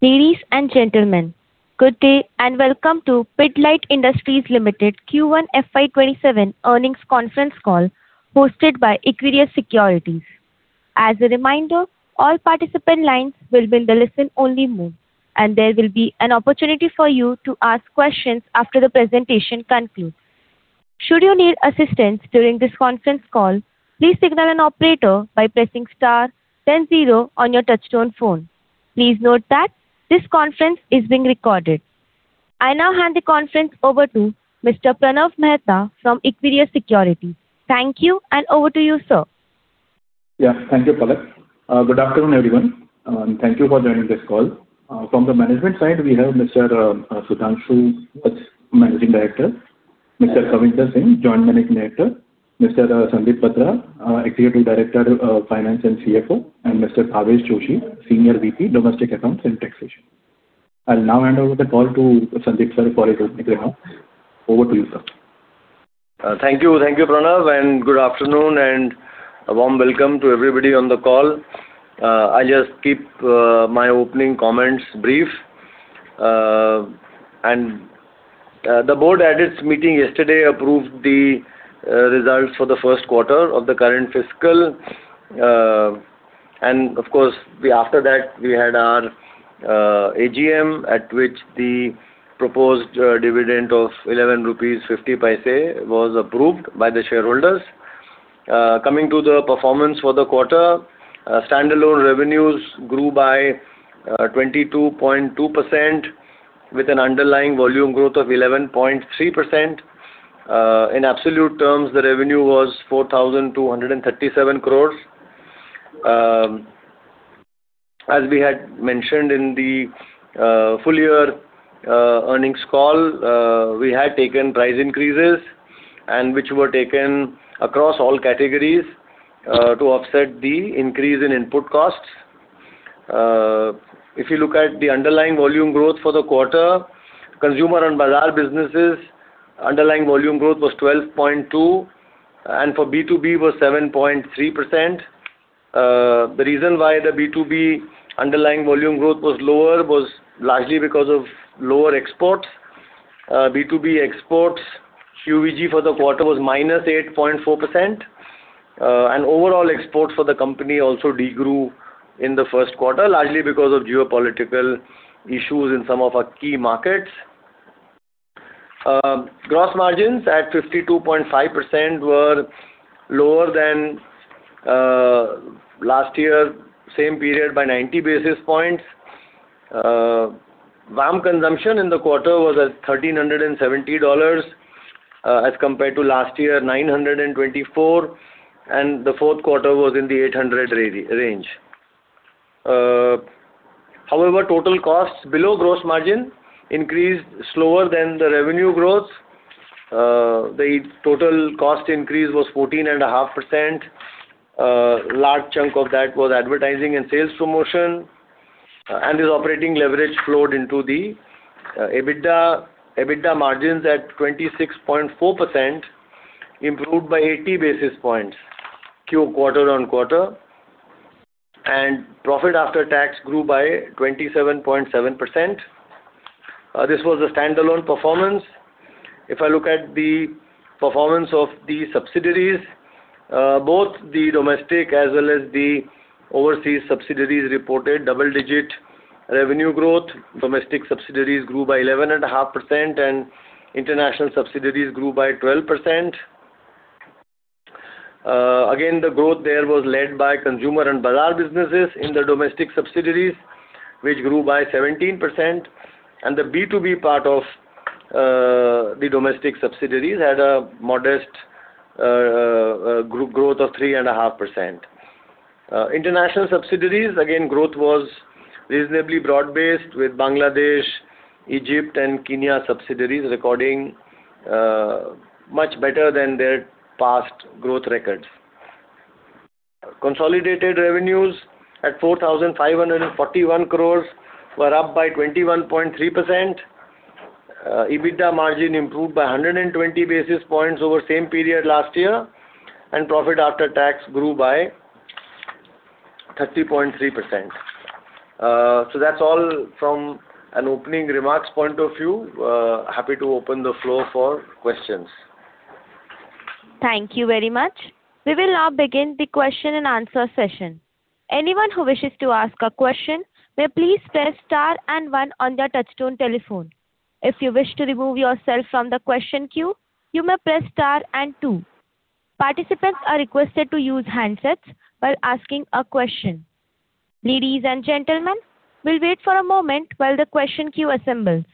Ladies and gentlemen, good day, and welcome to the Pidilite Industries Limited Q1 FY 2027 Earnings Conference Call hosted by Equirus Securities. As a reminder, all participant lines will be in the listen-only mode, and there will be an opportunity for you to ask questions after the presentation concludes. Should you need assistance during this conference call, please signal an operator by pressing star then zero on your touch-tone phone. Please note that this conference is being recorded. I now hand the conference over to Mr. Pranav Mehta from Equirus Securities. Thank you, and over to you, sir. Yeah. Thank you, Palak. Good afternoon, everyone, and thank you for joining this call. From the management side, we have Mr. Sudhanshu Vats, Managing Director; Mr. Kavinder Singh, Joint Managing Director; Mr. Sandeep Batra, Executive Director of Finance and CFO; and Mr. Bhavesh Joshi, Senior VP, Domestic Accounts and Taxation. I will now hand over the call to Sandeep, sir, for his opening remarks. Over to you, sir. Thank you, Pranav, and good afternoon and a warm welcome to everybody on the call. I will just keep my opening comments brief. The board at its meeting yesterday approved the results for the first quarter of the current fiscal. After that, we had our AGM, at which the proposed dividend of 11.50 rupees was approved by the shareholders. Coming to the performance for the quarter, standalone revenues grew by 22.2% with an underlying volume growth of 11.3%. In absolute terms, the revenue was 4,237 crores. As we had mentioned in the full year earnings call, we had taken price increases, which were taken across all categories, to offset the increase in input costs. If you look at the underlying volume growth for the quarter, consumer and bazaar businesses underlying volume growth was 12.2% and for B2B was 7.3%. The reason why the B2B underlying volume growth was lower was largely because of lower exports. B2B exports UVG for the quarter was -8.4%. Overall exports for the company also de-grew in the first quarter, largely because of geopolitical issues in some of our key markets. Gross margins at 52.5% were lower than last year, same period by 90 basis points. VAM consumption in the quarter was at $1,370, as compared to last year, $924, and the fourth quarter was in the $800 range. However, total costs below gross margin increased slower than the revenue growth. The total cost increase was 14.5%. A large chunk of that was advertising and sales promotion, and this operating leverage flowed into the EBITDA. EBITDA margins at 26.4% improved by 80 basis points quarter on quarter. Profit after tax grew by 27.7%. This was a standalone performance. If I look at the performance of the subsidiaries, both the domestic as well as the overseas subsidiaries reported double-digit revenue growth. Domestic subsidiaries grew by 11.5% and international subsidiaries grew by 12%. The growth there was led by Consumer and Bazaar businesses in the domestic subsidiaries, which grew by 17%. The B2B part of the domestic subsidiaries had a modest growth of 3.5%. International subsidiaries, growth was reasonably broad-based with Bangladesh, Egypt, and Kenya subsidiaries recording much better than their past growth records. Consolidated revenues at 4,541 crore were up by 21.3%. EBITDA margin improved by 120 basis points over the same period last year, profit after tax grew by 30.3%. That's all from an opening remarks point of view. Happy to open the floor for questions. Thank you very much. We will now begin the question-and-answer session. Anyone who wishes to ask a question may please press star and one on their touch-tone telephone. If you wish to remove yourself from the question queue, you may press star and two. Participants are requested to use handsets while asking a question. Ladies and gentlemen, we'll wait for a moment while the question queue assembles.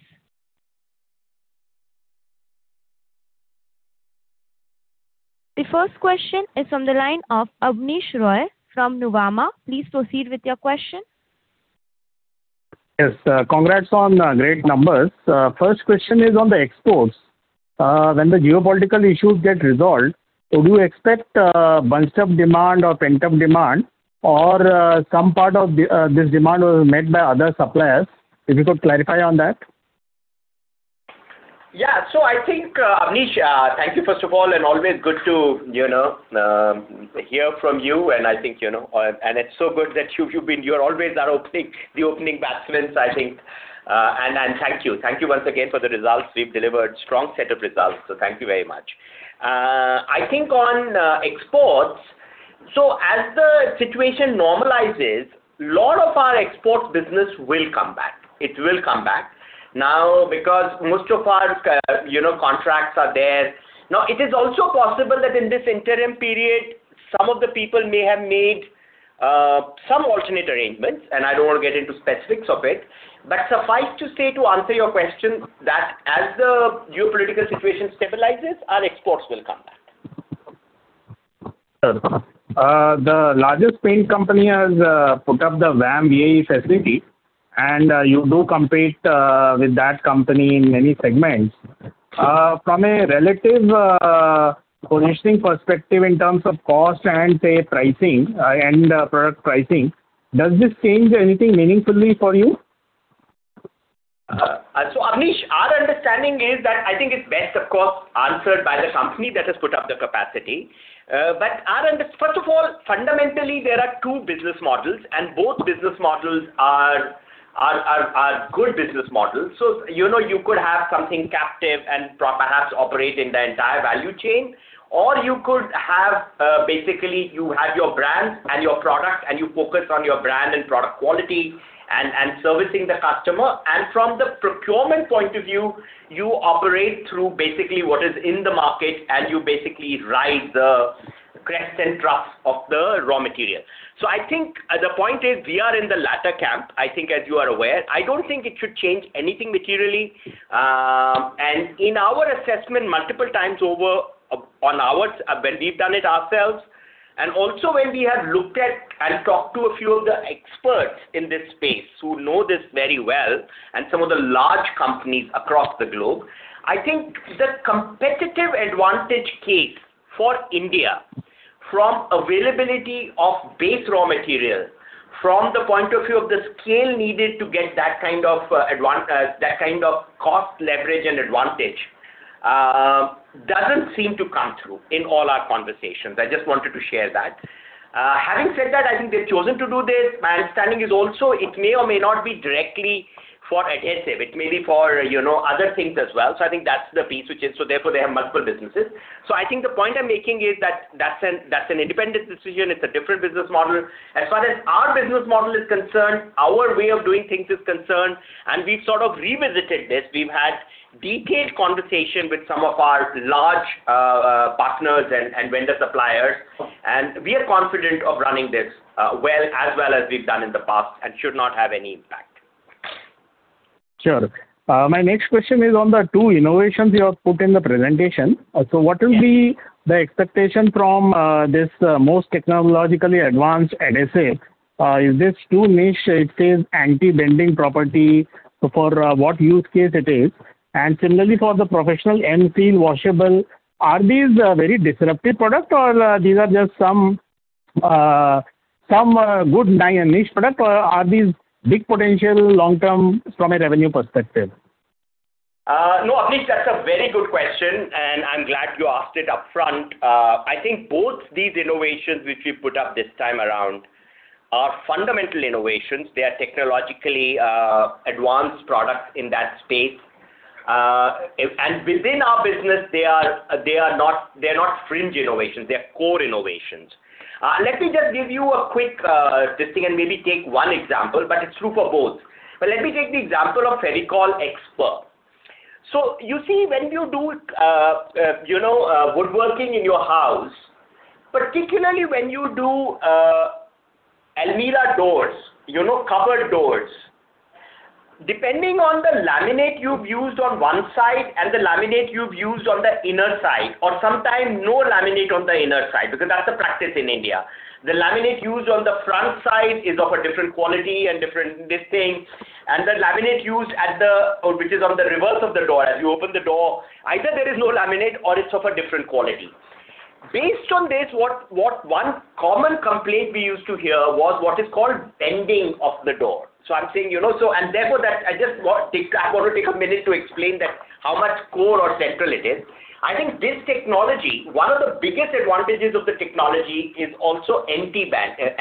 The first question is from the line of Abneesh Roy from Nuvama. Please proceed with your question. Yes. Congrats on great numbers. First question is on the exports. When the geopolitical issues get resolved, would you expect a bunch of demand or pent-up demand or some part of this demand was made by other suppliers? If you could clarify on that. Yeah. I think, Abneesh, thank you, first of all, always good to hear from you, it's so good that you're always the opening batsman, I think. Thank you. Thank you once again for the results. We've delivered strong set of results, thank you very much. I think on exports, as the situation normalizes, lot of our exports business will come back. It will come back. Because most of our contracts are there. It is also possible that in this interim period, some of the people may have made some alternate arrangements, I don't want to get into specifics of it. Suffice to say, to answer your question, that as the geopolitical situation stabilizes, our exports will come back. Sure. The largest paint company has put up the VAM facility. You do compete with that company in many segments. From a relative positioning perspective in terms of cost and, say, pricing and product pricing, does this change anything meaningfully for you? Abneesh, our understanding is that I think it's best, of course, answered by the company that has put up the capacity. First of all, fundamentally, there are two business models. Both business models are good business models. You could have something captive and perhaps operate in the entire value chain. You could have, basically, you have your brand and your product, and you focus on your brand and product quality and servicing the customer. From the procurement point of view, you operate through basically what is in the market, and you basically ride the crest and troughs of the raw material. I think the point is, we are in the latter camp, I think, as you are aware. I don't think it should change anything materially. In our assessment, multiple times over on ours, when we've done it ourselves, and also when we have looked at and talked to a few of the experts in this space who know this very well, and some of the large companies across the globe, I think the competitive advantage case for India, from availability of base raw material, from the point of view of the scale needed to get that kind of cost leverage and advantage, doesn't seem to come through in all our conversations. I just wanted to share that. Having said that, I think they've chosen to do this. My understanding is also it may or may not be directly for adhesive, it may be for other things as well. I think that's the piece which is. Therefore, they have multiple businesses. I think the point I'm making is that that's an independent decision. It's a different business model. As far as our business model is concerned, our way of doing things is concerned. We've sort of revisited this. We've had detailed conversation with some of our large partners and vendor suppliers. We are confident of running this as well as we've done in the past and should not have any impact. Sure. My next question is on the two innovations you have put in the presentation. Yes. What will be the expectation from this most technologically advanced adhesive? Is this too niche? It says anti-bending property. For what use case it is? Similarly for the professional M-seal washable, are these very disruptive product or these are just some good niche product, or are these big potential long-term from a revenue perspective? No, Abneesh, that's a very good question, and I'm glad you asked it upfront. I think both these innovations which we put up this time around are fundamental innovations. They are technologically advanced products in that space. Within our business, they are not fringe innovations, they are core innovations. Let me just give you a quick this thing and maybe take one example, but it's true for both. Let me take the example of Fevicol Xper. You see, when you do woodworking in your house, particularly when you do almirah doors, cupboard doors, depending on the laminate you've used on one side and the laminate you've used on the inner side, or sometimes no laminate on the inner side, because that's the practice in India. The laminate used on the front side is of a different quality and different this thing. The laminate used which is on the reverse of the door, as you open the door, either there is no laminate or it's of a different quality. Based on this, what one common complaint we used to hear was what is called bending of the door. I'm saying, you know? Therefore, I want to take a minute to explain that how much core or central it is. I think this technology, one of the biggest advantages of the technology is also anti-bending.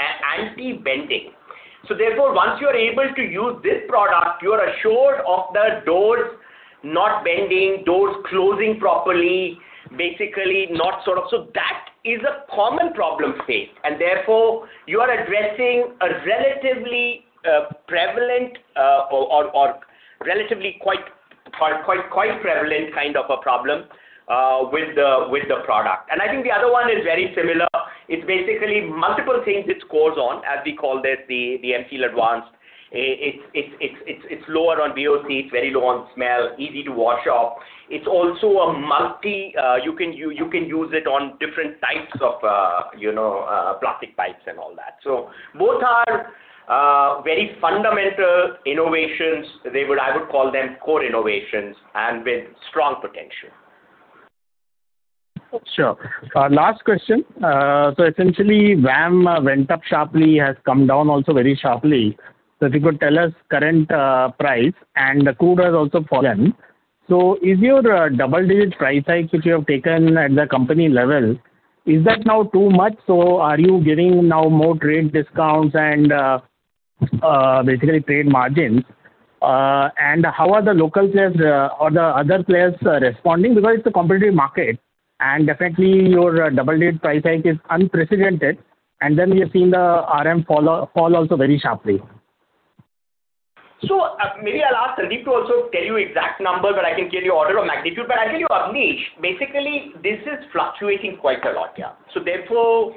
Therefore, once you are able to use this product, you are assured of the doors not bending, doors closing properly. That is a common problem faced, and therefore you are addressing a relatively prevalent or relatively quite prevalent kind of a problem with the product. I think the other one is very similar. It's basically multiple things it scores on, as we call this the M-seal Advanced. It's lower on VOC, it's very low on smell, easy to wash off. It's also You can use it on different types of plastic pipes and all that. Both are very fundamental innovations. I would call them core innovations and with strong potential. Sure. Last question. Essentially, VAM went up sharply, has come down also very sharply. If you could tell us current price, and the crude has also fallen. Is your double-digit price hike, which you have taken at the company level, is that now too much? Are you giving now more trade discounts and basically trade margins? How are the local players or the other players responding? Because it's a competitive market and definitely your double-digit price hike is unprecedented, and then we have seen the RM fall also very sharply. Maybe I'll ask Sandeep to also tell you exact number, but I can give you order of magnitude. I tell you, Abneesh, basically this is fluctuating quite a lot here. Therefore,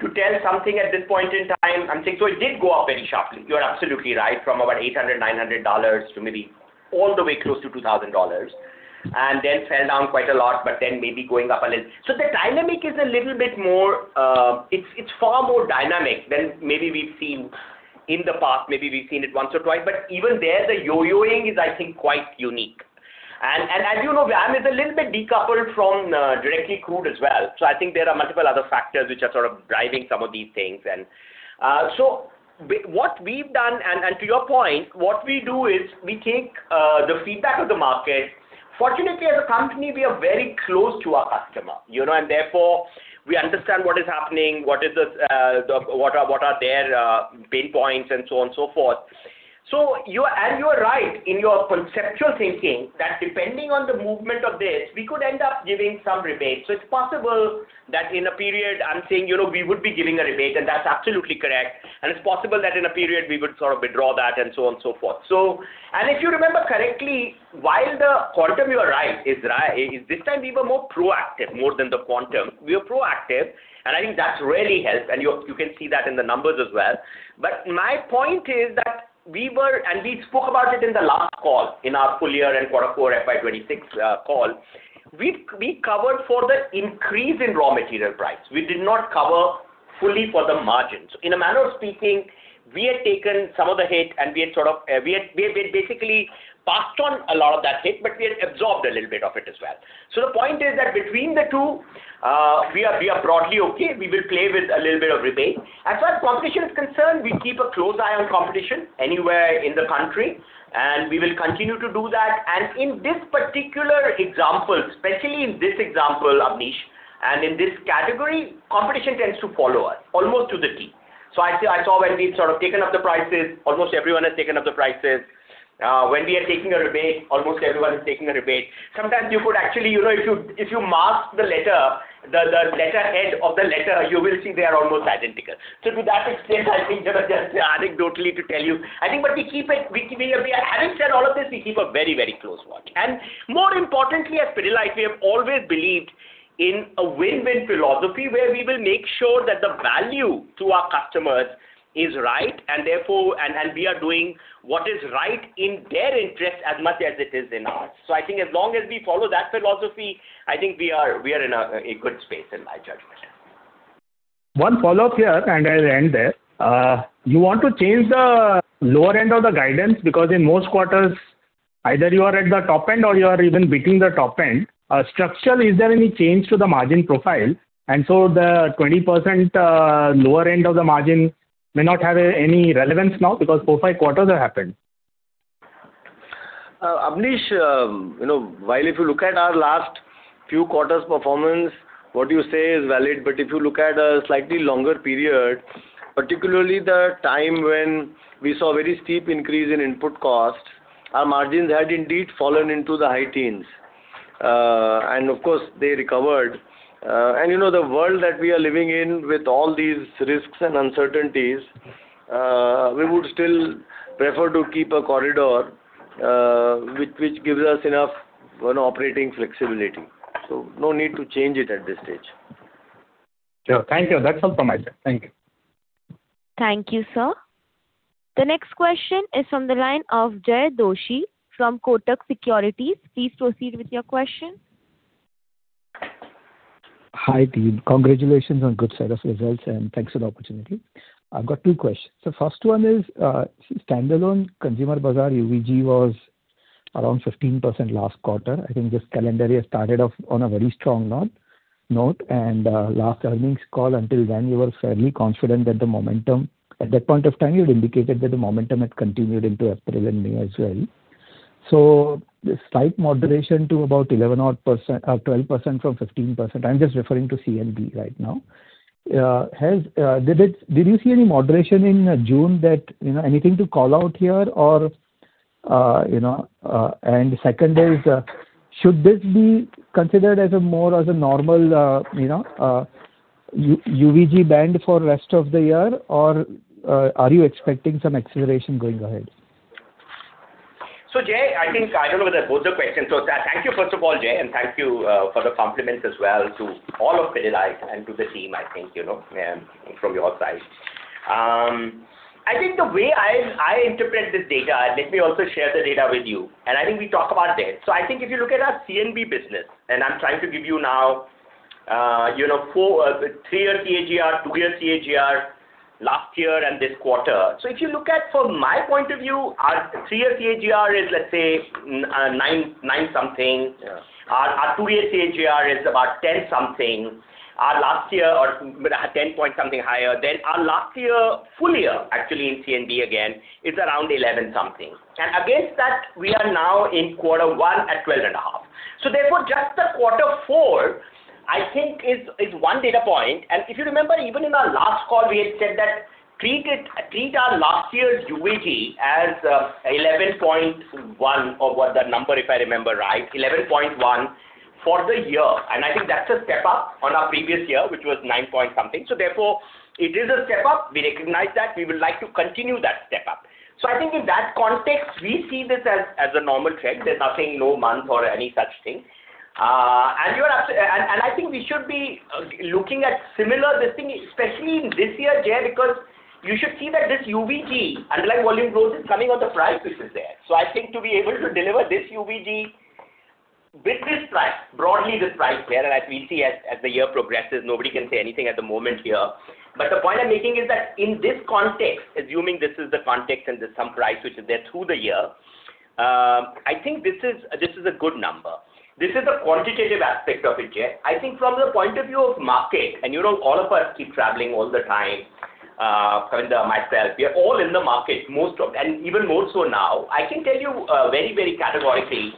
to tell something at this point in time, I'm saying, so it did go up very sharply, you're absolutely right, from about $800, $900 to maybe all the way close to $2,000, and then fell down quite a lot, but then maybe going up a little. The dynamic is far more dynamic than maybe we've seen in the past. Maybe we've seen it once or twice, but even there, the yo-yoing is, I think, quite unique. As you know, VAM is a little bit decoupled from directly crude as well. I think there are multiple other factors which are sort of driving some of these things. What we've done, and to your point, what we do is we take the feedback of the market. Fortunately, as a company, we are very close to our customer, and therefore we understand what is happening, what are their pain points, and so on and so forth. You are right in your conceptual thinking that depending on the movement of this, we could end up giving some rebate. It's possible that in a period, I'm saying, we would be giving a rebate, and that's absolutely correct. It's possible that in a period we would sort of withdraw that, and so on and so forth. If you remember correctly, while the quantum you are right, this time we were more proactive, more than the quantum. We were proactive, and I think that's really helped, and you can see that in the numbers as well. My point is that we were, and we spoke about it in the last call, in our full year and quarter four FY2026 call. We covered for the increase in raw material price. We did not cover fully for the margin. In a manner of speaking, we had taken some of the hit, and we had basically passed on a lot of that hit, but we had absorbed a little bit of it as well. The point is that between the two, we are broadly okay. We will play with a little bit of rebate. As far as competition is concerned, we keep a close eye on competition anywhere in the country, and we will continue to do that. In this particular example, especially in this example, Abneesh, and in this category, competition tends to follow us almost to the T. I saw when we've sort of taken up the prices, almost everyone has taken up the prices. When we are taking a rebate, almost everyone is taking a rebate. Sometimes you could actually, if you mask the letter, the letterhead of the letter, you will see they are almost identical. To that extent, I think just anecdotally to tell you. Having said all of this, we keep a very close watch. More importantly, at Pidilite, we have always believed in a win-win philosophy, where we will make sure that the value to our customers is right, and we are doing what is right in their interest as much as it is in ours. I think as long as we follow that philosophy, I think we are in a good space, in my judgment. One follow-up here, I'll end there. Do you want to change the lower end of the guidance? Because in most quarters, either you are at the top end or you are even beating the top end. Structural, is there any change to the margin profile? The 20% lower end of the margin may not have any relevance now because four, five quarters have happened. Abneesh, while if you look at our last few quarters' performance, what you say is valid. If you look at a slightly longer period, particularly the time when we saw very steep increase in input cost, our margins had indeed fallen into the high teens. Of course, they recovered. The world that we are living in with all these risks and uncertainties, we would still prefer to keep a corridor, which gives us enough operating flexibility. No need to change it at this stage. Sure. Thank you. That's all from my side. Thank you. Thank you, sir. The next question is from the line of Jay Doshi from Kotak Securities. Please proceed with your question. Hi, team. Congratulations on good set of results, and thanks for the opportunity. I've got two questions. The first one is, standalone consumer bazaar UVG was around 15% last quarter. I think this calendar year started off on a very strong note. Last earnings call until then, you were fairly confident that the momentum had continued into April and May as well. The slight moderation to about 11%-odd or 12% from 15%, I'm just referring to CNB right now. Did you see any moderation in June that Anything to call out here or The second is, should this be considered as a more as a normal UVG band for rest of the year, or are you expecting some acceleration going ahead? Jay, I think, I don't know whether both are questions. Thank you, first of all, Jay, and thank you for the compliments as well to all of Pidilite and to the team, I think, from your side. I think the way I interpret this data, let me also share the data with you, I think we talk about this. I think if you look at our CNB business, and I'm trying to give you now three-year CAGR, two-year CAGR Last year and this quarter. If you look at from my point of view, our three-year CAGR is, let's say, nine something. Yeah. Our two-year CAGR is about 10-something. Our last year or 10 point something higher. Our last year, full year, actually, in T&B again, is around 11 something. Against that, we are now in quarter one at 12.5. Therefore, just quarter four, I think is one data point. If you remember, even in our last call, we had said that treat our last year's UVG as 11.1 or what the number, if I remember right, 11.1 for the year. I think that's a step up on our previous year, which was nine point something. Therefore, it is a step up. We recognize that. We would like to continue that step up. I think in that context, we see this as a normal trend. There's nothing, no month or any such thing. I think we should be looking at similar, this thing, especially in this year, Jay, because you should see that this UVG, Underlying Volume Growth, is coming on the price, which is there. I think to be able to deliver this UVG with this price, broadly this price, where and as we see as the year progresses, nobody can say anything at the moment here. The point I'm making is that in this context, assuming this is the context and there's some price which is there through the year, I think this is a good number. This is the quantitative aspect of it, Jay. I think from the point of view of market, you know, all of us keep traveling all the time, Kavinder, myself, we are all in the market. I can tell you very categorically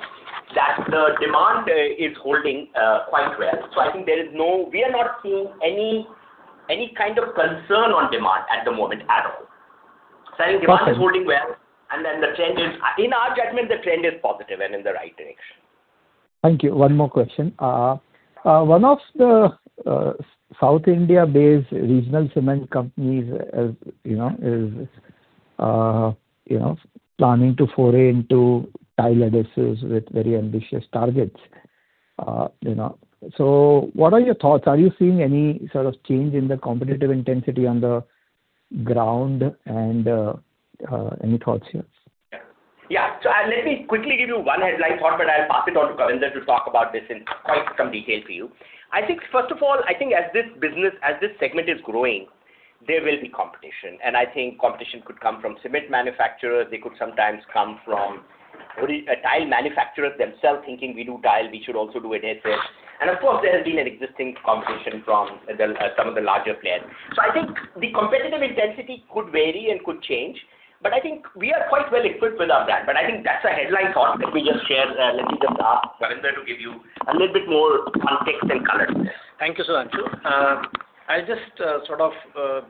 that the demand is holding quite well. I think we are not seeing any kind of concern on demand at the moment at all. Awesome Demand is holding well, in our judgment, the trend is positive and in the right direction. Thank you. One more question. One of the South India-based regional cement companies is planning to foray into tile adhesives with very ambitious targets. What are your thoughts? Are you seeing any sort of change in the competitive intensity on the ground, and any thoughts here? Yeah. Let me quickly give you one headline thought, but I'll pass it on to Kavinder to talk about this in quite some detail for you. I think first of all, I think as this segment is growing, there will be competition, and I think competition could come from cement manufacturers, they could sometimes come from tile manufacturers themselves thinking, we do tile, we should also do adhesive. Of course, there has been an existing competition from some of the larger players. I think the competitive intensity could vary and could change, but I think we are quite well equipped with all that. I think that's a headline thought. Let me just ask Kavinder to give you a little bit more context and color. Thank you, Sudhanshu. I'll just sort of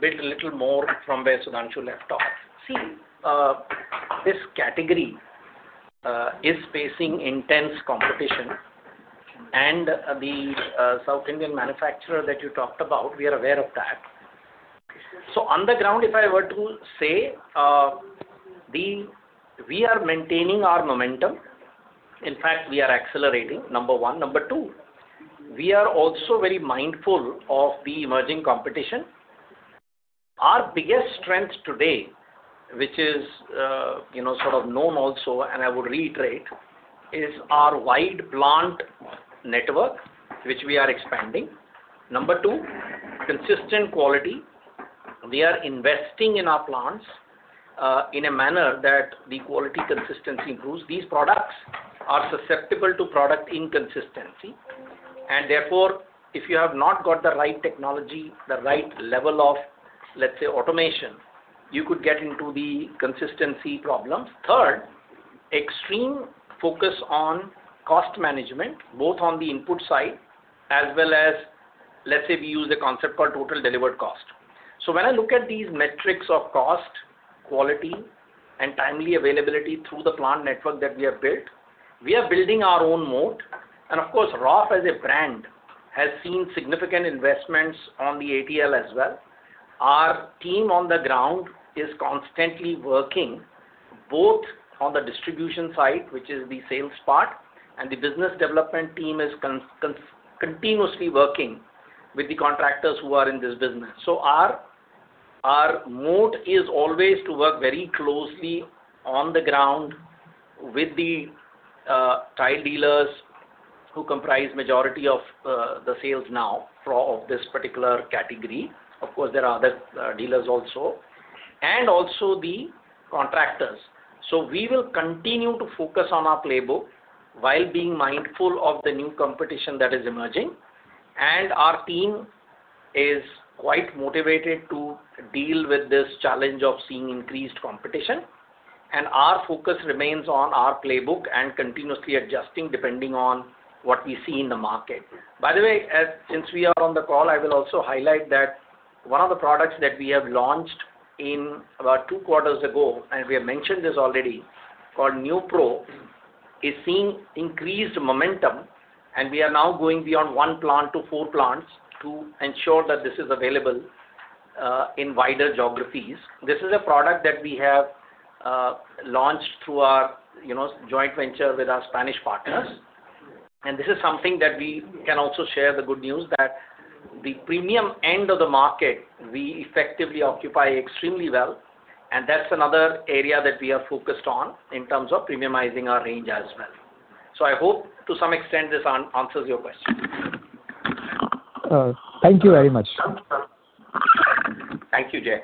build a little more from where Sudhanshu left off. This category is facing intense competition. The South Indian manufacturer that you talked about, we are aware of that. On the ground, if I were to say, we are maintaining our momentum. In fact, we are accelerating, number one. Number two, we are also very mindful of the emerging competition. Our biggest strength today, which is sort of known also, and I would reiterate, is our wide plant network, which we are expanding. Number two, consistent quality. We are investing in our plants, in a manner that the quality consistency improves. These products are susceptible to product inconsistency, and therefore, if you have not got the right technology, the right level of, let's say, automation, you could get into the consistency problems. Third, extreme focus on cost management, both on the input side as well as, let's say, we use the concept called total delivered cost. When I look at these metrics of cost, quality, and timely availability through the plant network that we have built, we are building our own moat. Of course, Roff as a brand has seen significant investments on the ATL as well. Our team on the ground is constantly working, both on the distribution side, which is the sales part, and the business development team is continuously working with the contractors who are in this business. Our moat is always to work very closely on the ground with the tile dealers who comprise majority of the sales now of this particular category, of course, there are other dealers also, and also the contractors. We will continue to focus on our playbook while being mindful of the new competition that is emerging. Our team is quite motivated to deal with this challenge of seeing increased competition. Our focus remains on our playbook and continuously adjusting depending on what we see in the market. By the way, since we are on the call, I will also highlight that one of the products that we have launched in about two quarters ago, and we have mentioned this already, called New Pro, is seeing increased momentum, and we are now going beyond one plant to four plants to ensure that this is available in wider geographies. This is a product that we have launched through our joint venture with our Spanish partners. This is something that we can also share: the good news is that the premium end of the market, we effectively occupy extremely well, and that's another area that we are focused on in terms of premiumizing our range as well. I hope to some extent this answers your question. Thank you very much. Thank you, Jay.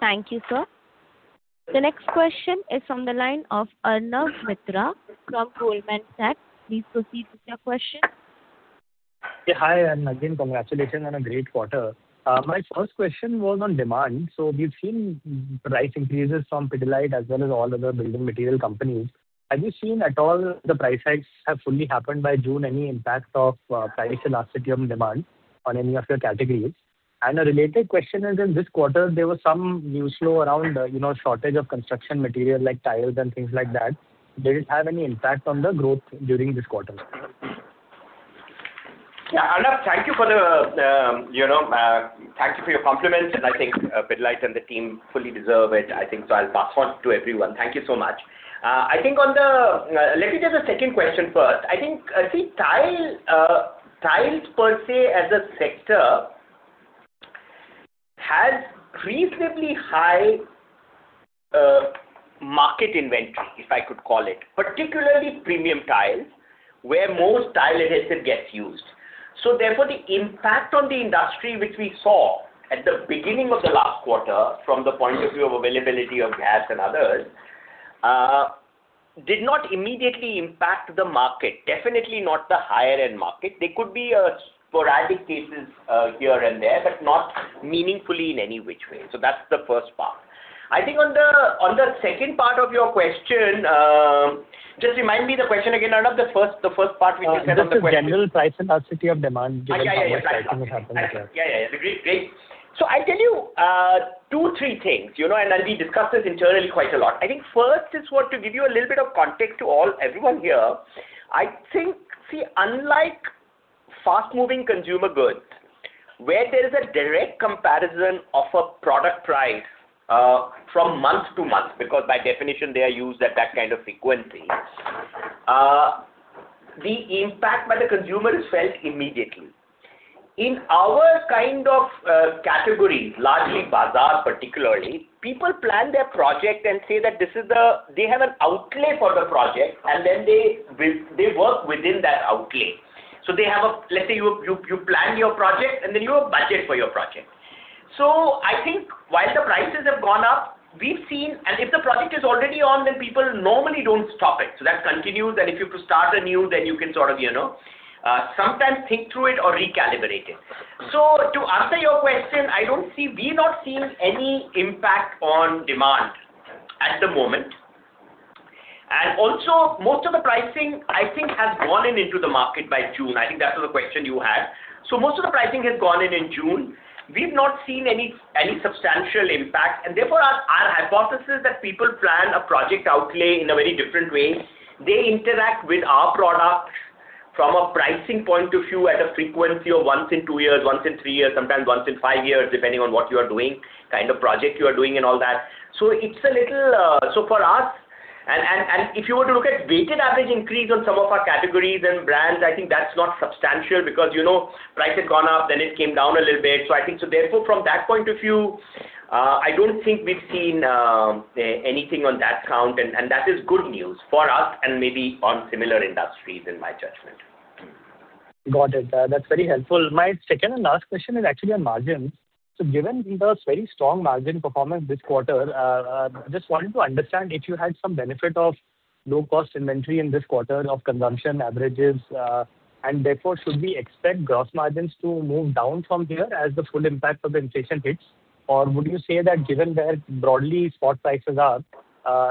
Thank you, sir. The next question is from the line of Arnab Mitra from Goldman Sachs. Please proceed with your question. Hi, again, congratulations on a great quarter. My first question was on demand. We've seen price increases from Pidilite as well as all other building material companies. Have you seen at all the price hikes have fully happened by June, any impact of price elasticity on demand on any of your categories? A related question is, in this quarter, there was some news flow around shortage of construction material like tiles and things like that. Did it have any impact on the growth during this quarter? Arnab, thank you for your compliments. I think Pidilite and the team fully deserve it, I think. I'll pass on to everyone. Thank you so much. Let me take the second question first. I think tiles per se as a sector have reasonably high market inventory, if I could call it. Particularly premium tiles, where most tile adhesive gets used. Therefore, the impact on the industry, which we saw at the beginning of the last quarter from the point of view of the availability of gas and others, did not immediately impact the market. Definitely not the higher-end market. There could be sporadic cases here and there, but not meaningfully in any way. That's the first part. I think on the second part of your question, just remind me of the question again. Arnab, the first part we discussed of the question— Just on the general price elasticity of demand— Yeah. ...pricing that happened there. Yeah. I tell you two, three things, and we discuss this internally quite a lot. First is what to give you a little bit of context to everyone here. Unlike fast-moving consumer goods, where there is a direct comparison of a product price from month to month, because by definition they are used at that kind of frequency. The impact by the consumer is felt immediately. In our kind of categories, largely bazaar particularly, people plan their project and say that they have an outlay for the project, and then they work within that outlay. Let's say you plan your project, and then you have budget for your project. While the prices have gone up, and if the project is already on, then people normally don't stop it. That continues. If you have to start anew, then you can sort of sometimes think through it or recalibrate it. To answer your question, we've not seen any impact on demand at the moment. Most of the pricing I think has gone in into the market by June. I think that was the question you had. Most of the pricing has gone in in June. We've not seen any substantial impact, and therefore our hypothesis that people plan a project outlay in a very different way. They interact with our product from a pricing point of view at a frequency of once in two years, once in three years, sometimes once in five years, depending on what you are doing, kind of project you are doing and all that. If you were to look at weighted average increase on some of our categories and brands, I think that's not substantial because price had gone up, then it came down a little bit. From that point of view, I don't think we've seen anything on that count, that is good news for us and maybe on similar industries in my judgment. Got it. That's very helpful. My second and last question is actually on margins. Given Pidilite's very strong margin performance this quarter, just wanted to understand if you had some benefit of low-cost inventory in this quarter of consumption averages. Therefore, should we expect gross margins to move down from here as the full impact of the inflation hits? Would you say that given where broadly spot prices are,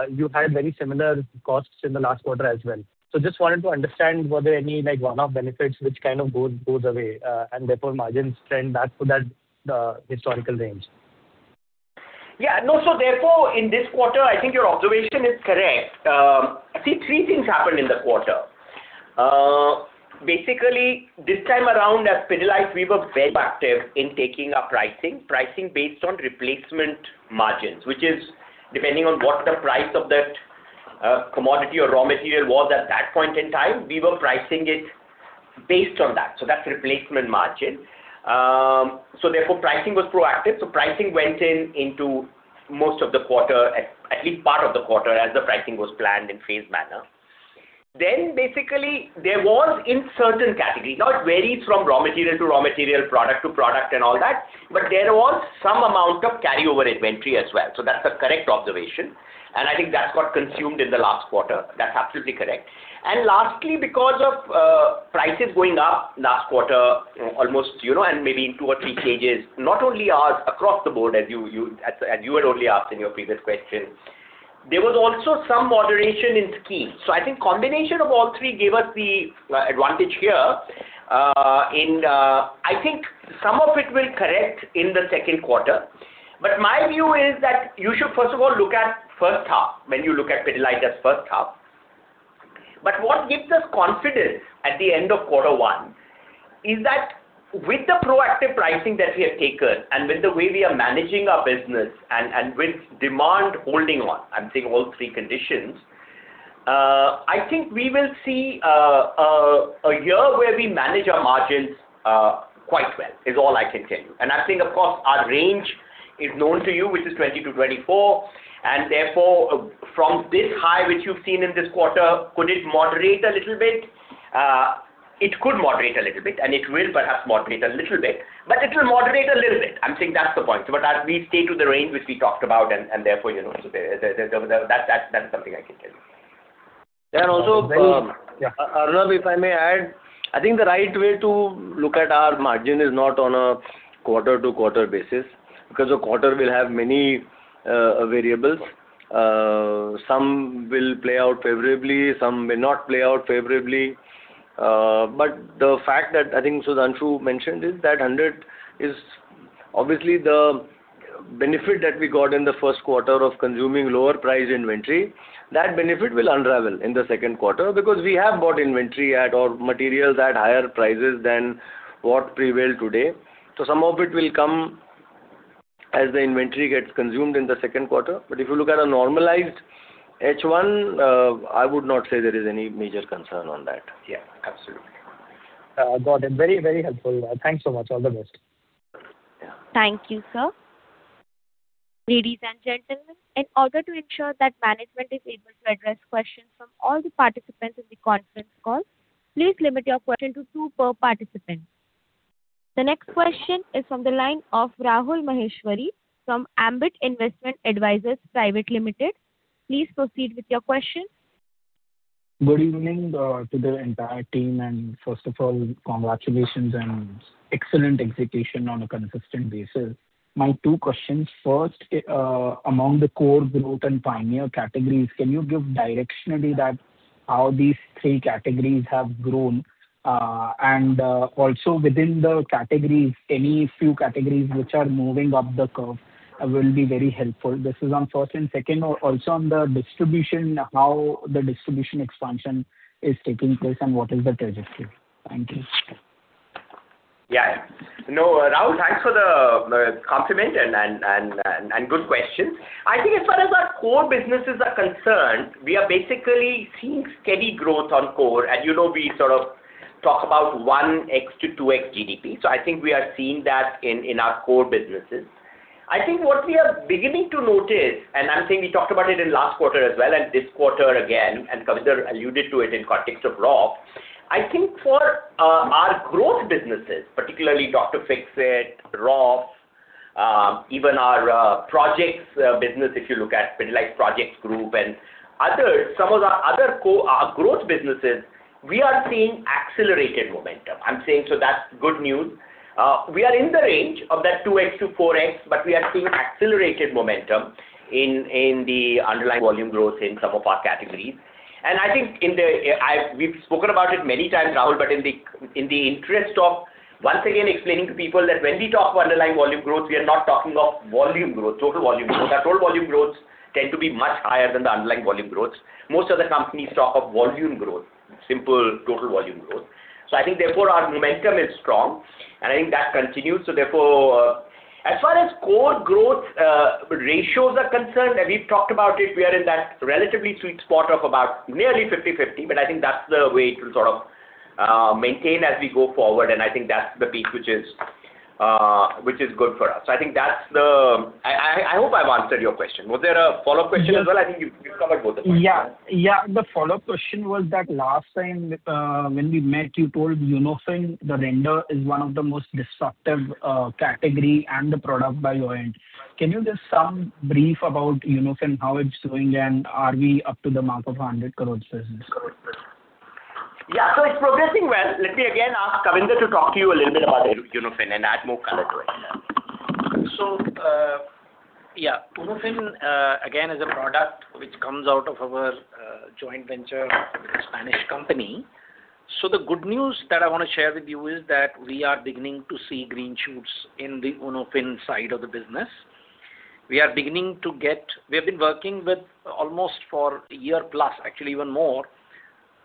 you had very similar costs in the last quarter as well? Just wanted to understand, were there any one-off benefits which kind of goes away, and therefore margins trend back to that historical range? In this quarter, I think your observation is correct. Three things happened in the quarter. This time around at Pidilite, we were very active in taking our pricing. Pricing based on replacement margins, which is depending on what the price of that commodity or raw material was at that point in time, we were pricing it based on that. That's replacement margin. Pricing was proactive. Pricing went in into most of the quarter, at least part of the quarter, as the pricing was planned in phased manner. There was in certain categories, now it varies from raw material to raw material, product to product and all that, but there was some amount of carryover inventory as well. That's a correct observation, and I think that got consumed in the last quarter. That's absolutely correct. Lastly, because of prices going up last quarter almost, and maybe in two or three cases, not only ours, across the board as you had only asked in your previous question. There was also some moderation in the key. I think combination of all three gave us the advantage here. I think some of it will correct in the second quarter. My view is that you should first of all look at first half when you look at Pidilite as first half. What gives us confidence at the end of quarter one is that with the proactive pricing that we have taken, and with the way we are managing our business, and with demand holding on, I'm saying all three conditions, I think we will see a year where we manage our margins quite well, is all I can tell you. I think, of course, our range is known to you, which is 20-24. Therefore, from this high, which you've seen in this quarter, could it moderate a little bit? It could moderate a little bit, and it will perhaps moderate a little bit. It will moderate a little bit. I'm saying that's the point. As we stay in the range which we talked about, and therefore, that's something I can tell you. Also, Arnab, if I may add, I think the right way to look at our margin is not on a quarter-to-quarter basis, because a quarter will have many variables. Some will play out favorably; some may not play out favorably. The fact that I think Sudhanshu mentioned is that 100 is obviously the benefit that we got in the first quarter of consuming lower price inventory. That benefit will unravel in the second quarter because we have bought inventory or materials at higher prices than what prevail today. Some of it will come as the inventory gets consumed in the second quarter. If you look at a normalized H1, I would not say there is any major concern on that. Yeah, absolutely. Got it. Very helpful. Thanks so much. All the best. Yeah. Thank you, sir. Ladies and gentlemen, in order to ensure that management is able to address questions from all the participants in the conference call, please limit your questions to two per participant. The next question is from the line of Mr. Rahul Maheshwary from Ambit Investment Advisors Private Limited. Please proceed with your question. Good evening to the entire team, and first of all, congratulations on excellent execution on a consistent basis. My two questions. First, among the core growth and pioneer categories, can you give directionally that how these three categories have grown? Also within the categories, any few categories which are moving up the curve will be very helpful. This is on first. Second, also on the distribution, how the distribution expansion is taking place and what is the trajectory? Thank you. No, Rahul, thanks for the compliment and good question. I think as far as our core businesses are concerned, we are basically seeing steady growth on core. We sort of talk about 1x-2x GDP. I think we are seeing that in our core businesses. I think what we are beginning to notice, and I'm saying we talked about it in last quarter as well, and this quarter again, and Kavinder alluded to it in the context of Roff. I think for our growth businesses, particularly Dr. Fixit, Roff, even our projects business, if you look at Pidilite Projects Group and others, some of our other growth businesses, we are seeing accelerated momentum. That's good news. We are in the range of that 2x-4x, but we are seeing accelerated momentum in the underlying volume growth in some of our categories. I think we've spoken about it many times, Rahul, but in the interest of once again explaining to people that when we talk of underlying volume growth, we are not talking of volume growth, total volume growth. Our total volume growths tend to be much higher than the underlying volume growths. Most of the companies talk of volume growth, simple total volume growth. I think, therefore, our momentum is strong, and I think that continues. Therefore, as far as core growth ratios are concerned, and we've talked about it, we are in that relatively sweet spot of about nearly 50:50, but I think that's the way it will sort of maintain as we go forward, and I think that's the beat which is good for us. I hope I've answered your question. Was there a follow-up question as well? I think you've covered both the points. Yeah. The follow-up question was that last time, when we met, you told UnoFin, the render, is one of the most disruptive category and the product by your end. Can you just brief about UnoFin, how it's doing, and are we up to the mark of 100 crores business? Yeah. It's progressing well. Let me again ask Kavinder to talk to you a little bit about UnoFin and add more color to it. Yeah. UnoFin, again, is a product which comes out of our joint venture with a Spanish company. The good news that I want to share with you is that we are beginning to see green shoots in the UnoFin side of the business. We have been working with almost for a year plus, actually even more,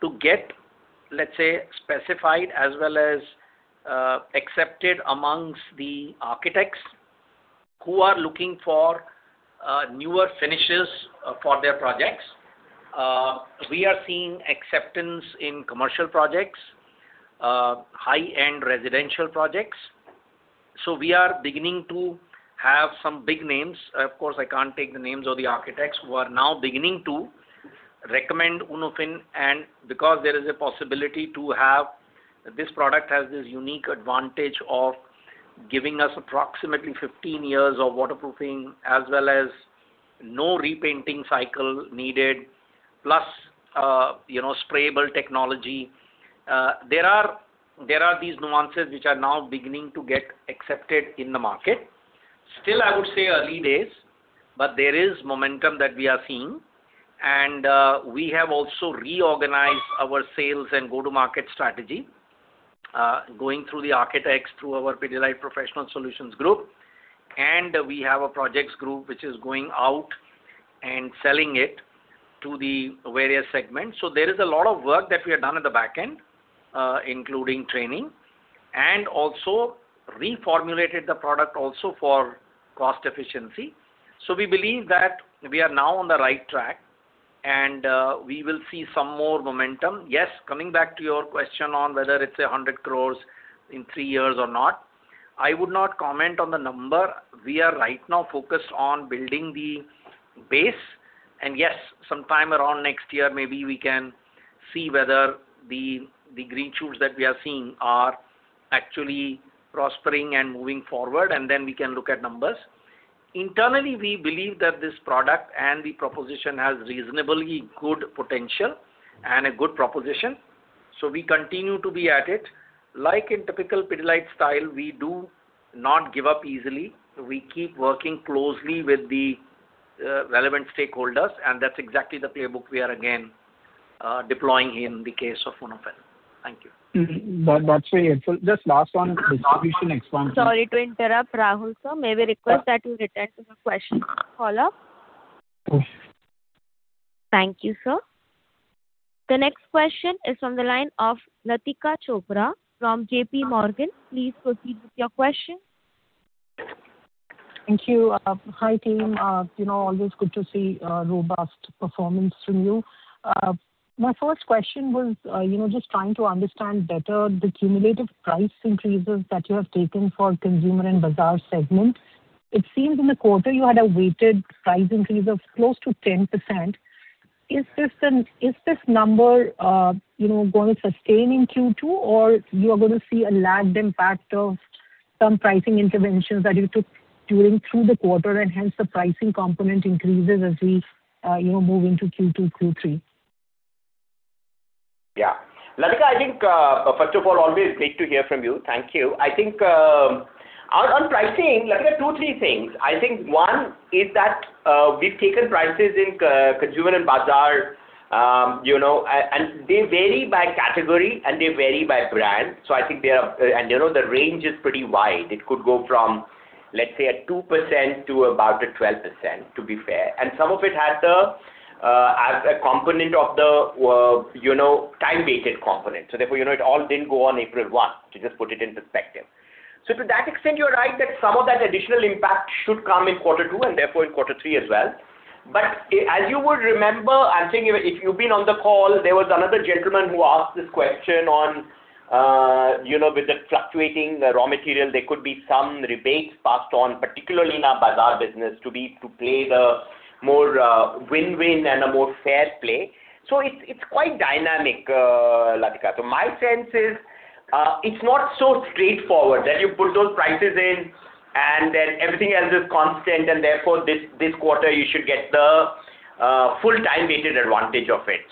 to get, let's say, specified as well as accepted amongst the architects who are looking for newer finishes for their projects. We are seeing acceptance in commercial projects, high-end residential projects. We are beginning to have some big names. Of course, I can't take the names of the architects who are now beginning to recommend UnoFin. Because this product has this unique advantage of giving us approximately 15 years of waterproofing as well as no repainting cycle needed, plus sprayable technology. There are these nuances which are now beginning to get accepted in the market. Still, I would say early days, but there is momentum that we are seeing. We have also reorganized our sales and go-to-market strategy, going through the architects through our Pidilite Professional Solutions Group. We have a Projects Group which is going out and selling it to the various segments. There is a lot of work that we have done at the back end, including training, and also reformulated the product also for cost efficiency. We believe that we are now on the right track We will see some more momentum. Yes, coming back to your question on whether it's 100 crore in three years or not, I would not comment on the number. We are right now focused on building the base. Yes, sometime around next year, maybe we can see whether the green shoots that we are seeing are actually prospering and moving forward, and then we can look at numbers. Internally, we believe that this product and the proposition has reasonably good potential and a good proposition. We continue to be at it. Like in typical Pidilite style, we do not give up easily. We keep working closely with the relevant stakeholders, and that's exactly the playbook we are again deploying in the case of UnoFin. Thank you. That's very helpful. Just last one on distribution expansion— Sorry to interrupt, Rahul, sir. May we request that you return to the question follow-up? Sure. Thank you, sir. The next question is from the line of Latika Chopra from JPMorgan. Please proceed with your question. Thank you. Hi, team. Always good to see a robust performance from you. My first question was just trying to understand better the cumulative price increases that you have taken for consumer and bazaar segment. It seems in the quarter you had a weighted price increase of close to 10%. Is this number going to sustain in Q2, or you are going to see a lagged impact of some pricing interventions that you took during through the quarter and hence the pricing component increases as we move into Q2, Q3? Latika, I think, first of all, always great to hear from you. Thank you. I think on pricing, Latika, two, three things. I think one is that we've taken prices in consumer and bazaar, and they vary by category and they vary by brand. The range is pretty wide. It could go from, let's say, a 2% to about a 12%, to be fair. And some of it has a component of the time-weighted component. Therefore, it all didn't go on April 1, to just put it in perspective. To that extent, you're right that some of that additional impact should come in quarter two and therefore in quarter three as well. As you would remember, I'm thinking if you've been on the call, there was another gentleman who asked this question on, with the fluctuating raw material, there could be some rebates passed on, particularly in our bazaar business to play the more win-win and a more fair play. It's quite dynamic, Latika. My sense is, it's not so straightforward that you put those prices in then everything else is constant and therefore this quarter you should get the full time-weighted advantage of it.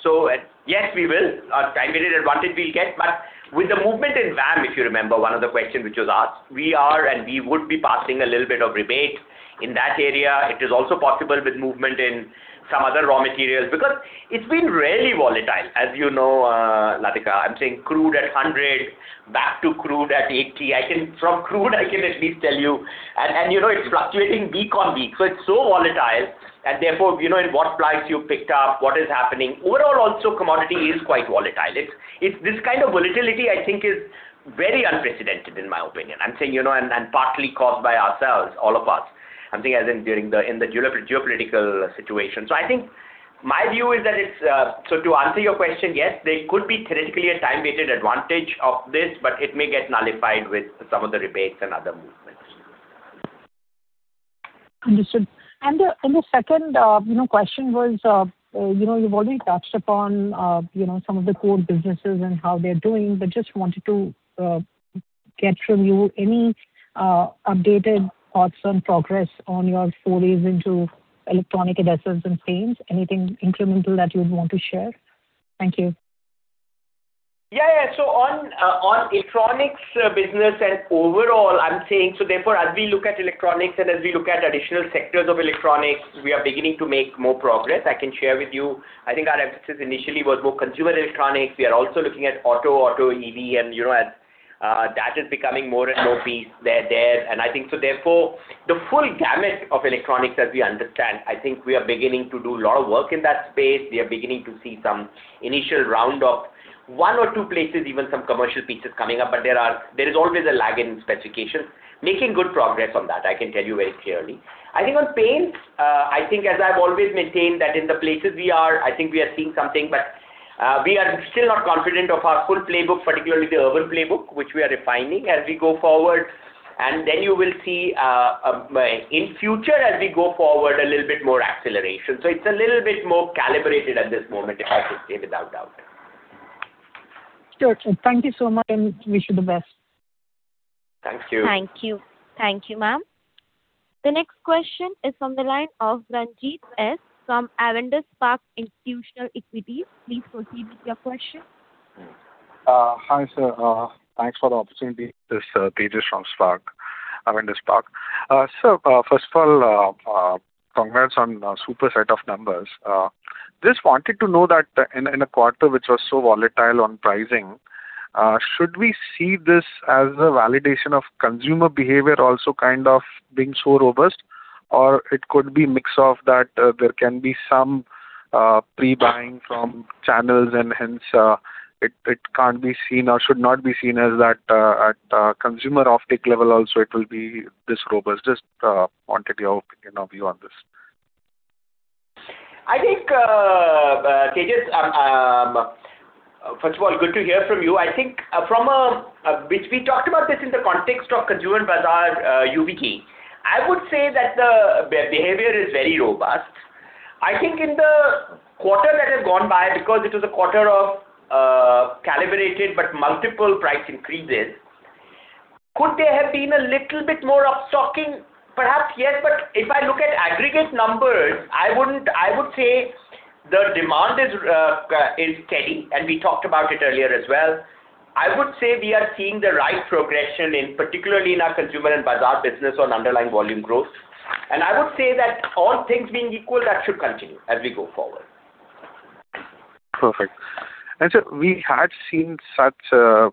Yes, we will. A time-weighted advantage we'll get, but with the movement in VAM, if you remember one of the questions which was asked, we are and we would be passing a little bit of rebate in that area. It is also possible with movement in some other raw materials, because it's been really volatile, as you know, Latika. I'm saying crude at 100, back to crude at 80. From crude, I can at least tell you. It's fluctuating week on week, it's so volatile, therefore, in what price you picked up, what is happening. Overall also commodity is quite volatile. This kind of volatility, I think is very unprecedented in my opinion. I'm saying, partly caused by ourselves, all of us. I'm saying as in during the geopolitical situation. I think my view is that it's. To answer your question, yes, there could be theoretically a time-weighted advantage of this, it may get nullified with some of the rebates and other movements. Understood. The second question was, you've already touched upon some of the core businesses and how they're doing, but just wanted to get from you any updated thoughts on progress on your forays into electronic adhesives and paints. Anything incremental that you'd want to share? Thank you. Yeah. On electronics business and overall, I'm saying, as we look at electronics and as we look at additional sectors of electronics, we are beginning to make more progress. I can share with you, I think our emphasis initially was more consumer electronics. We are also looking at auto EV, and that is becoming more and more piece there. I think the full gamut of electronics as we understand, I think we are beginning to do a lot of work in that space. We are beginning to see some initial round of one or two places, even some commercial pitches coming up, but there is always a lag in specification. Making good progress on that, I can tell you very clearly. I think on paints, I think as I've always maintained that in the places we are, I think we are seeing something, but we are still not confident of our full playbook, particularly the urban playbook, which we are refining as we go forward. You will see, in future, as we go forward, a little bit more acceleration. It's a little bit more calibrated at this moment, if I could say, without doubt. Sure, sir. Thank you so much and wish you the best. Thank you. Thank you. Thank you, ma'am. The next question is from the line of Ranjeet S from Avendus Spark Institutional Equities. Please proceed with your question. Hi, sir. Thanks for the opportunity. This is Tejas from Spark, Avendus Spark. Sir, first of all, congrats on super set of numbers. Just wanted to know that in a quarter which was so volatile on pricing, should we see this as a validation of consumer behavior also kind of being so robust? Or it could be mix of that there can be some pre-buying from channels and hence It can't be seen or should not be seen as that at consumer off-take level also it will be this robust. Just wanted your opinion or view on this. I think, Tejas, first of all, good to hear from you. I think we talked about this in the context of consumer bazaar UVG. I would say that the behavior is very robust. I think in the quarter that has gone by, because it was a quarter of calibrated but multiple price increases, could there have been a little bit more up-stocking? Perhaps yes. But if I look at aggregate numbers, I would say the demand is steady, and we talked about it earlier as well. I would say we are seeing the right progression, particularly in our consumer and bazaar business, in underlying volume growth. I would say that all things being equal, that should continue as we go forward. Perfect. Sir, we had seen such a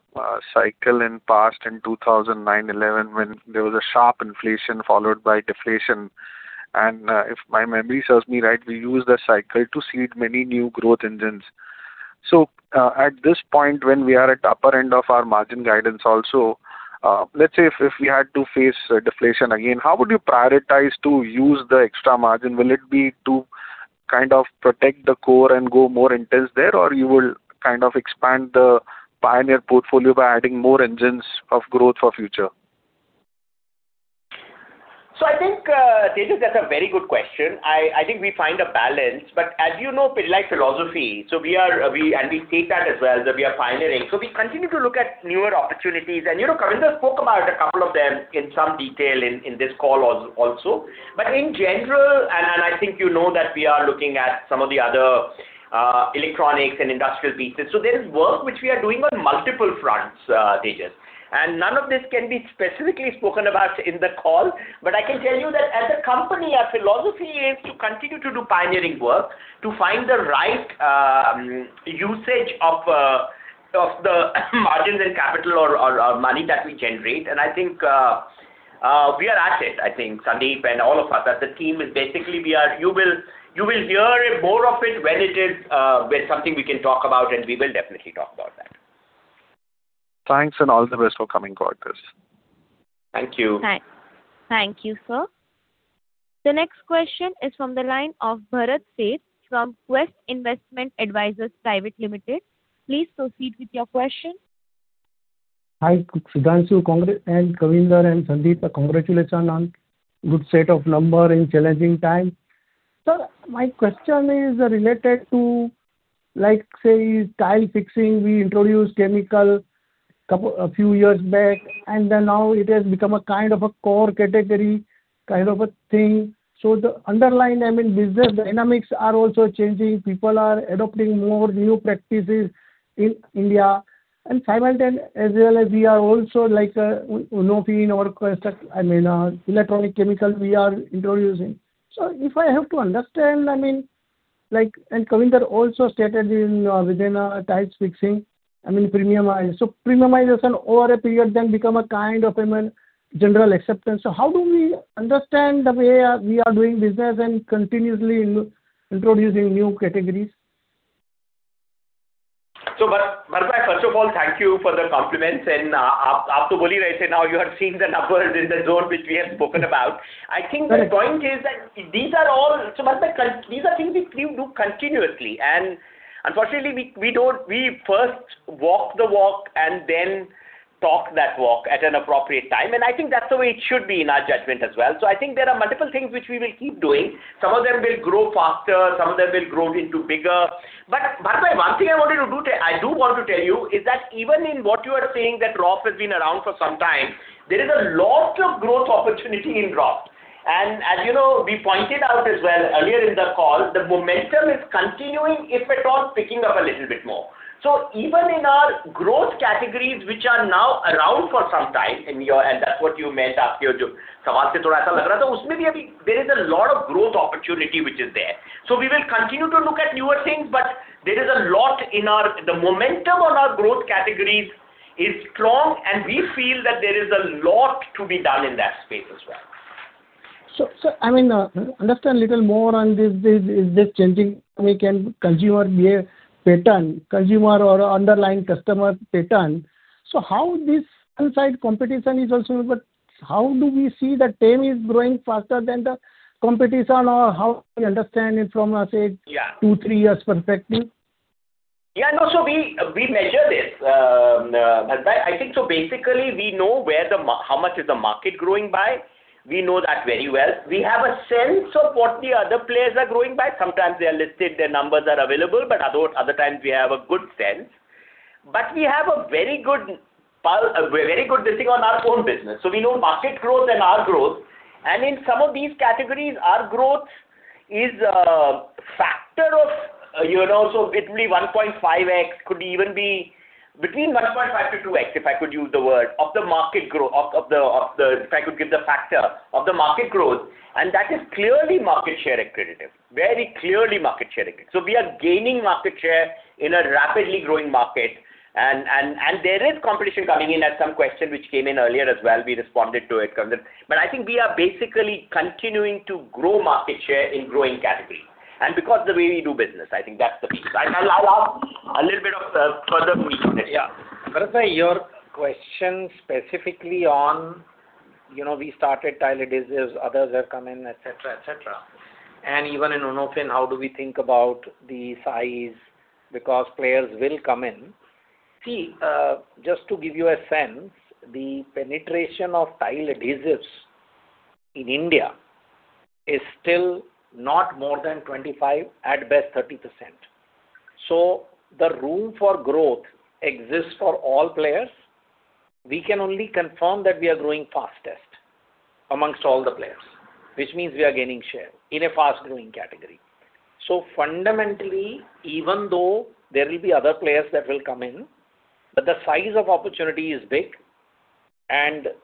cycle in past, in 2009, 2011, when there was a sharp inflation followed by deflation. If my memory serves me right, we used the cycle to seed many new growth engines. At this point when we are at upper end of our margin guidance also, let's say if we had to face deflation again, how would you prioritize to use the extra margin? Will it be to protect the core and go more intense there? Or you will expand the Pioneer portfolio by adding more engines of growth for future? I think, Tejas, that's a very good question. I think we find a balance, but as you know Pidilite philosophy, and we state that as well, that we are pioneering. We continue to look at newer opportunities and Kavinder spoke about a couple of them in some detail in this call also. In general, and I think you know that we are looking at some of the other electronics and industrial pieces. There is work which we are doing on multiple fronts, Tejas, and none of this can be specifically spoken about in the call. I can tell you that as a company, our philosophy is to continue to do pioneering work to find the right usage of the margins and capital or money that we generate. I think, we are at it. I think Sandeep and all of us, as a team is basically. You will hear more of it when it is something we can talk about; we will definitely talk about that. Thanks all the best for coming quarters. Thank you. Thank you, sir. The next question is from the line of Bharat Sheth from Quest Investment Advisors Private Limited. Please proceed with your question. Hi, Sudhanshu and Kavinder and Sandeep. Congratulations on a good set of numbers in a challenging time. Sir, my question is related to, say, tile fixing. We introduced chemical a few years back; now it has become a kind of a core category, kind of a thing. The underlying business dynamics are also changing. People are adopting more new practices in India. Simultaneously as well, we are also like UnoFin; I mean, our electronic chemicals we are introducing. If I have to understand, and Kavinder also stated within our tiles fixing, premiumization over a period then becomes a kind of general acceptance. How do we understand the way we are doing business and continuously introducing new categories? Bharat, first of all, thank you for the compliments and now you have seen the numbers in the zone which we have spoken about. I think the point is that these are things we do continuously, unfortunately, we first walk the walk and then talk that walk at an appropriate time, I think that's the way it should be in our judgment as well. I think there are multiple things which we will keep doing. Some of them will grow faster, some of them will grow into bigger. Bharat, one thing I do want to tell you is that even in what you are saying that Roff has been around for some time, there is a lot of growth opportunity in Roff. As you know, we pointed out as well earlier in the call, the momentum is continuing, if at all, picking up a little bit more. Even in our growth categories, which are now around for some time, and that's what you meant, there is a lot of growth opportunity which is there. We will continue to look at newer things, but there is a lot in our. The momentum on our growth categories is strong, and we feel that there is a lot to be done in that space as well. To understand a little more on this, is this changing consumer behavior pattern, consumer or underlying customer pattern. How this inside competition is also, but how do we see that TAM is growing faster than the competition or how we understand it from a, say two, three years perspective? Yeah. No. We measure this, Bharat. I think, basically we know how much is the market growing by. We know that very well. We have a sense of what the other players are growing by. Sometimes they are listed, their numbers are available, but other times we have a good sense. We have a very good listing on our own business, so we know market growth and our growth. In some of these categories, our growth is a factor of, it will be 1.5x, could even be between 1.5x-2x, if I could use the word, of the market growth, if I could give the factor of the market growth. That is clearly market share accretive. Very clearly market share accretive. We are gaining market share in a rapidly growing market, and there is competition coming in as some question which came in earlier as well. We responded to it, Kavinder. I think we are basically continuing to grow market share in growing categories. Because the way we do business, I think that's the piece. I'll ask a little bit of further detail. Bharat, your question specifically on—we started tile adhesives, when others have come in, etcetera. Even in UnoFin, how do we think about the size? Players will come in. Just to give you a sense, the penetration of tile adhesives in India is still not more than 25%, at best 30%. The room for growth exists for all players. We can only confirm that we are growing fastest amongst all the players, which means we are gaining share in a fast-growing category. Fundamentally, even though there will be other players that will come in, the size of the opportunity is big and the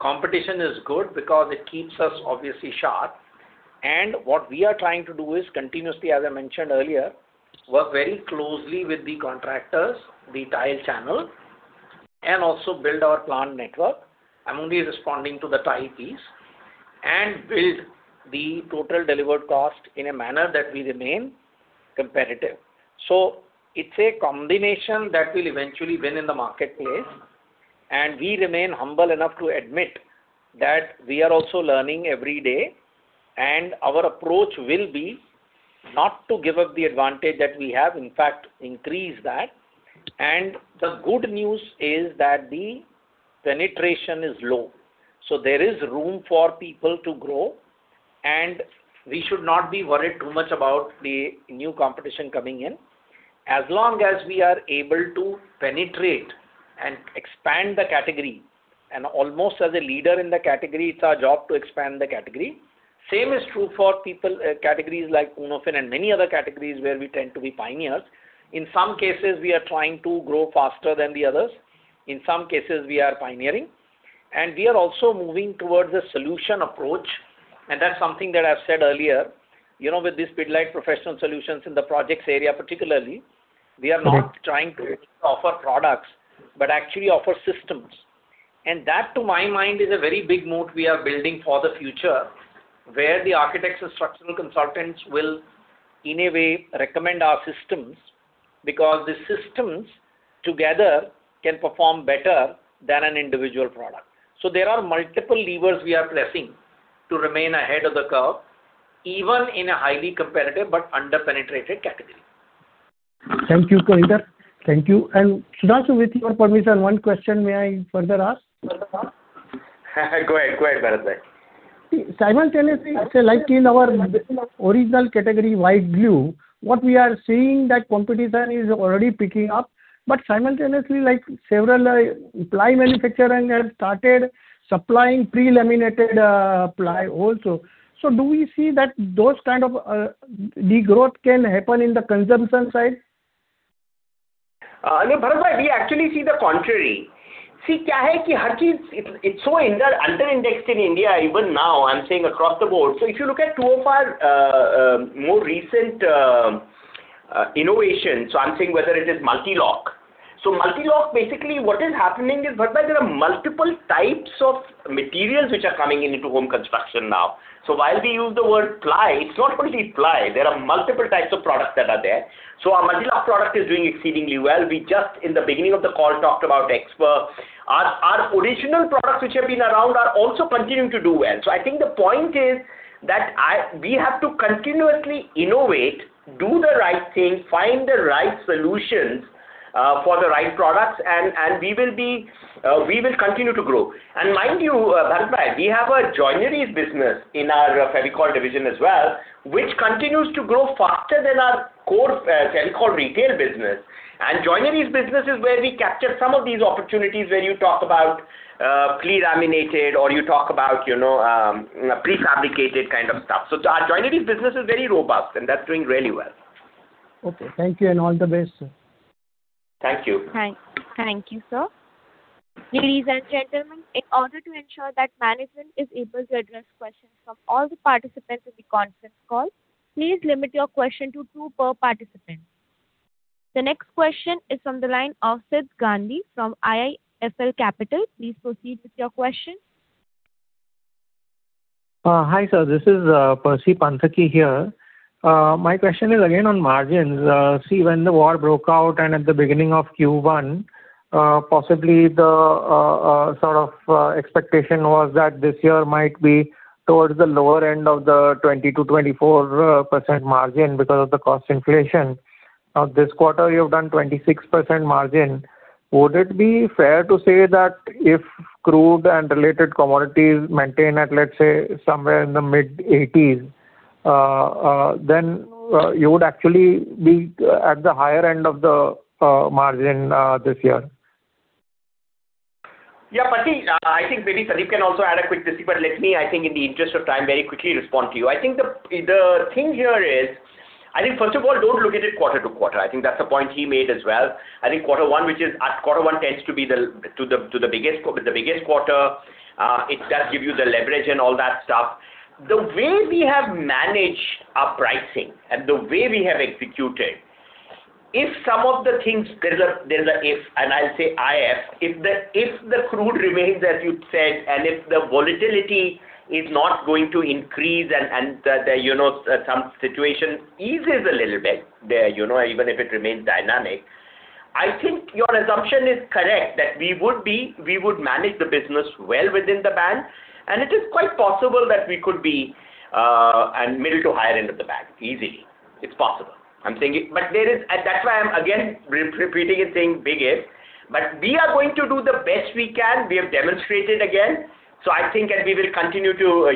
competition is good because it keeps us obviously sharp. What we are trying to do is continuously, as I mentioned earlier, work very closely with the contractors and the tile channel and also build our plant network. I'm only responding to the tile piece, build the total delivered cost in a manner that we remain competitive. It's a combination that will eventually win in the marketplace, we remain humble enough to admit that we are also learning every day, our approach will be not to give up the advantage that we have, in fact, increase that. The good news is that the penetration is low. There is room for people to grow, we should not be worried too much about the new competition coming in as long as we are able to penetrate and expand the category. Almost as a leader in the category, it's our job to expand the category. Same is true for categories like UnoFin and many other categories where we tend to be pioneers. In some cases, we are trying to grow faster than the others. In some cases, we are pioneering, we are also moving towards a solution approach, that's something that I've said earlier. With this Pidilite Professional Solutions in the projects area, particularly, we are not trying to offer products but actually offer systems. That, to my mind, is a very big moat we are building for the future, where the architects and structural consultants will, in a way, recommend our systems because the systems together can perform better than an individual product. There are multiple levers we are pressing to remain ahead of the curve, even in a highly competitive but under-penetrated category. Thank you, Kavinder. Thank you. Sudhanshu, with your permission, one question may I further ask? Go ahead, Bharat. Simultaneously, like in our original category, white glue, what we are seeing that competition is already picking up, but simultaneously, several ply manufacturing have started supplying pre-laminated ply also. Do we see that those kind of degrowth can happen in the consumption side? No, Bharat, we actually see the contrary. It's so under-indexed in India even now, I'm saying across the board. If you look at two of our more recent innovations, I'm saying whether it is Multi Lock. Multi Lock, basically what is happening is, Bharat, there are multiple types of materials which are coming into home construction now. While we use the word ply, it's not going to be ply. There are multiple types of products that are there. Our Multi Lock product is doing exceedingly well. We just in the beginning of the call, talked about Xper. Our original products, which have been around, are also continuing to do well. I think the point is that we have to continuously innovate, do the right thing, find the right solutions for the right products, and we will continue to grow. Mind you, Bharat, we have a joineries business in our Fevicol division as well, which continues to grow faster than our core Fevicol retail business. Joineries business is where we capture some of these opportunities where you talk about pre-laminated or you talk about prefabricated kind of stuff. Our joineries business is very robust, and that's doing really well. Okay. Thank you, and all the best, sir. Thank you. Thank you, sir. Ladies and gentlemen, in order to ensure that management is able to address questions from all the participants in the conference call, please limit your questions to two per participant. The next question is from the line of Sid Gandhi from IIFL Capital. Please proceed with your question. Hi, sir. This is Percy Panthaki here. My question is again on margins. See, when the war broke out and at the beginning of Q1, possibly the sort of expectation was that this year might be towards the lower end of the 20%-24% margin because of the cost inflation. Now, this quarter you've done 26% margin. Would it be fair to say that if crude and related commodities maintain at, let's say, somewhere in the mid-80s, then you would actually be at the higher end of the margin this year? Yeah, Percy. I think maybe Sandeep can also add a quick perspective. Let me, I think in the interest of time, very quickly respond to you. The thing here is, first of all, don't look at it quarter to quarter. I think that's the point he made as well. Quarter one tends to be the biggest quarter. It does give you the leverage and all that stuff. The way we have managed our pricing and the way we have executed, if some of the things. There's a if, and I'll say IF. If the crude remains as you said, and if the volatility is not going to increase and some situation eases a little bit, even if it remains dynamic I think your assumption is correct that we would manage the business well within the band, and it is quite possible that we could be middle to higher end of the band easily. It's possible. That's why I'm, again, repeating and saying big if, but we are going to do the best we can. We have demonstrated again. I think that we will continue to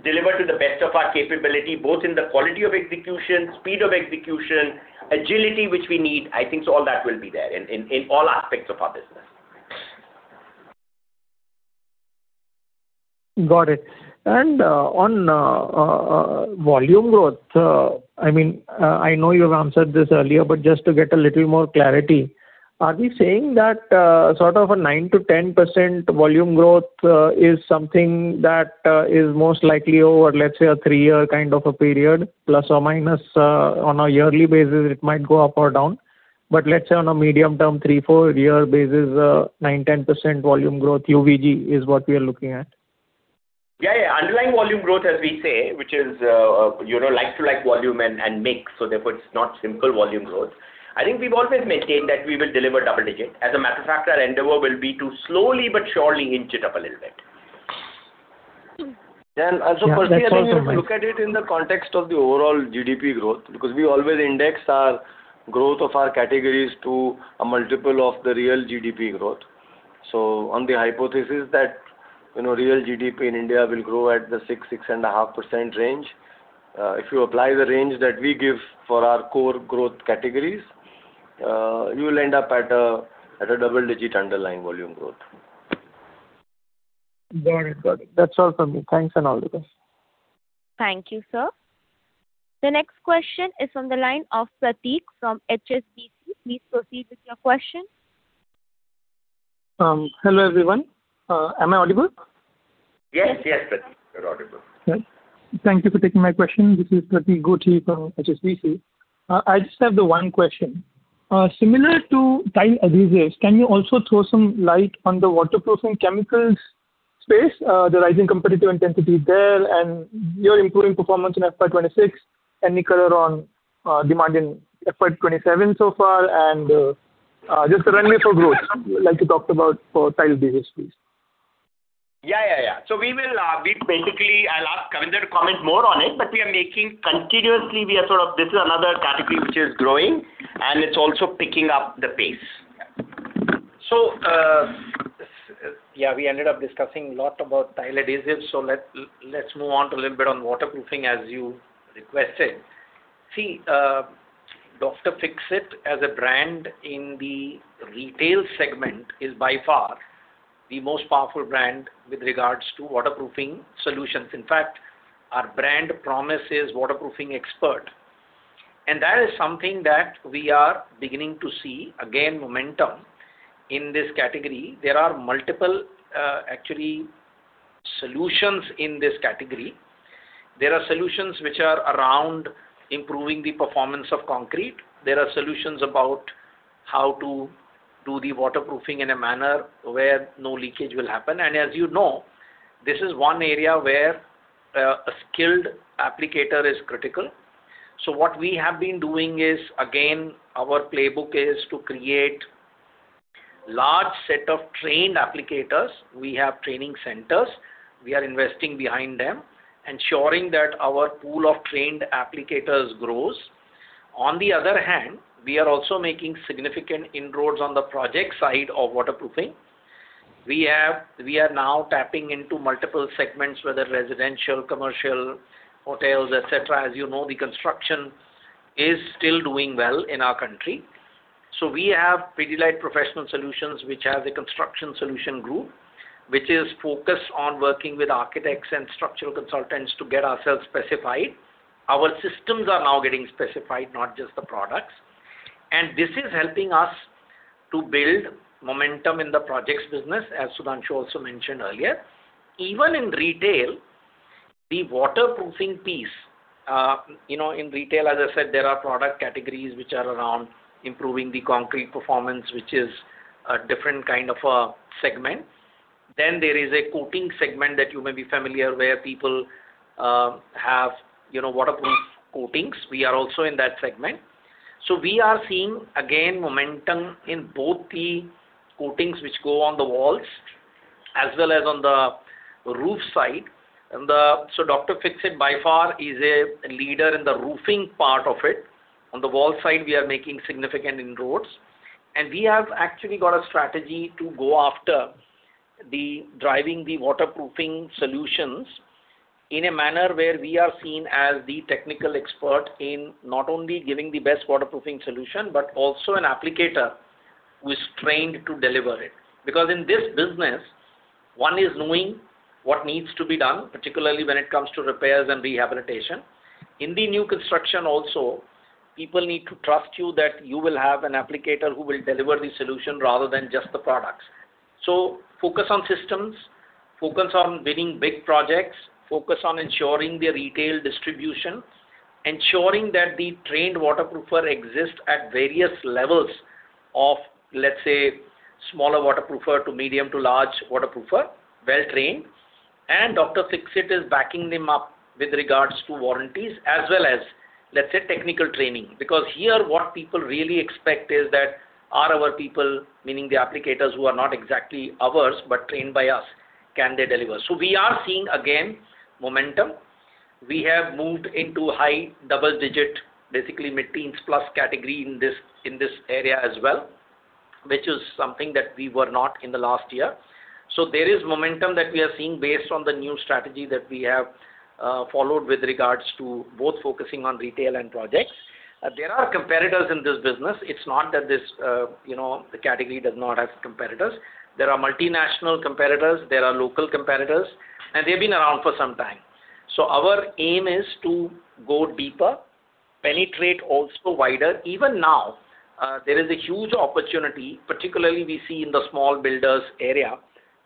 deliver to the best of our capability, both in the quality of execution, speed of execution, agility which we need. I think all that will be there in all aspects of our business. Got it. On volume growth, I know you have answered this earlier, but just to get a little more clarity, are we saying that sort of a 9%-10% volume growth is something that is most likely over, let's say, a three-year kind of a period, plus or minus on a yearly basis, it might go up or down. Let's say on a medium-term, three, four-year basis, 9%-10% volume growth, UVG is what we are looking at. Yeah. Underlying Volume Growth, as we say, which is like-to-like volume and mix, therefore it's not simple volume growth. I think we've always maintained that we will deliver double-digit. As a matter of fact, our endeavor will be to slowly but surely inch it up a little bit. Yeah, that's also fine. Also, I think you have to look at it in the context of the overall GDP growth, because we always index our growth of our categories to a multiple of the real GDP growth. On the hypothesis that real GDP in India will grow at the 6%-6.5% range, if you apply the range that we give for our core growth categories, you will end up at a double-digit Underlying Volume Growth. Got it. That's all from me. Thanks to all of you. Thank you, sir. The next question is on the line of Pratik from HSBC. Please proceed with your question. Hello, everyone. Am I audible? Yes, Pratik, you're audible. Great. Thank you for taking my question. This is Pratik Gothi from HSBC. I just have the one question. Similar to tile adhesives, can you also throw some light on the waterproofing chemicals space, the rising competitive intensity there, and your improving performance in FY2026? Any color on demand in FY2027 so far, and just the runway for growth, like you talked about for tile adhesives, please. Yeah. We will, basically, I'll ask Kavinder to comment more on it, but continuously, this is another category which is growing and it's also picking up the pace. Yeah, we ended up discussing a lot about tile adhesives, let's move on to a little bit on waterproofing, as you requested. See, Dr. Fixit as a brand in the retail segment is by far the most powerful brand with regards to waterproofing solutions. In fact, our brand promise is waterproofing expert, that is something that we are beginning to see again, momentum in this category. There are multiple actually solutions in this category. There are solutions which are around improving the performance of concrete. There are solutions about how to do the waterproofing in a manner where no leakage will happen. As you know, this is one area where a skilled applicator is critical. What we have been doing is, again, our playbook is to create large set of trained applicators. We have training centers. We are investing behind them, ensuring that our pool of trained applicators grows. On the other hand, we are also making significant inroads on the project side of waterproofing. We are now tapping into multiple segments, whether residential, commercial, hotels, et cetera. As you know, the construction is still doing well in our country. We have Pidilite Professional Solutions, which has a construction solution group, which is focused on working with architects and structural consultants to get ourselves specified. Our systems are now getting specified, not just the products. This is helping us to build momentum in the projects business, as Sudhanshu also mentioned earlier. Even in retail, the waterproofing piece, in retail, as I said, there are product categories which are around improving the concrete performance, which is a different kind of a segment. There is a coating segment that you may be familiar, where people have waterproof coatings. We are also in that segment. We are seeing, again, momentum in both the coatings which go on the walls as well as on the roof side. Dr. Fixit, by far, is a leader in the roofing part of it. On the wall side, we are making significant inroads. We have actually got a strategy to go after the driving the waterproofing solutions in a manner where we are seen as the technical expert in not only giving the best waterproofing solution, but also an applicator who is trained to deliver it. Because in this business, one is knowing what needs to be done, particularly when it comes to repairs and rehabilitation. In the new construction also, people need to trust you that you will have an applicator who will deliver the solution rather than just the products. Focus on systems, focus on winning big projects, focus on ensuring the retail distribution, ensuring that the trained waterproofer exists at various levels of, let's say, smaller waterproofer to medium to large waterproofer, well-trained. Dr. Fixit is backing them up with regard to warranties as well as, let's say, technical training. Because here, what people really expect is that our people, meaning the applicators who are not exactly ours but trained by us, can they deliver? We are seeing, again, momentum. We have moved into high double-digit, basically mid-teens-plus category in this area as well, which is something that we were not in the last year. There is momentum that we are seeing based on the new strategy that we have followed with regards to both focusing on retail and projects. There are competitors in this business. It's not that the category does not have competitors. There are multinational competitors, there are local competitors, they've been around for some time. Our aim is to go deeper, penetrate also wider. Even now, there is a huge opportunity, particularly we see in the small builders area,